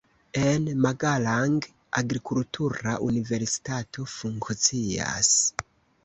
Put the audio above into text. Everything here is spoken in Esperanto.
En Magalang agrikultura universitato funkcias.